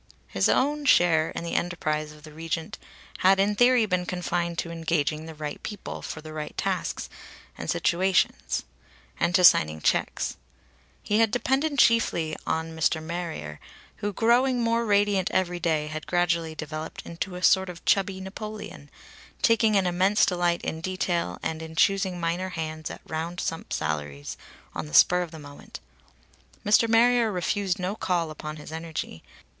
His own share in the enterprise of the Regent had in theory been confined to engaging the right people for the right tasks and situations; and to signing checks. He had depended chiefly upon Mr. Marrier, who, growing more radiant every day, had gradually developed into a sort of chubby Napoleon, taking an immense delight in detail and in choosing minor hands at round sum salaries on the spur of the moment. Mr. Marrier refused no call upon his energy.